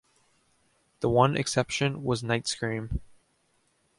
The one exception was Nightscream.